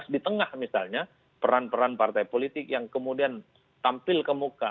di tengah misalnya peran peran partai politik yang kemudian tampil ke muka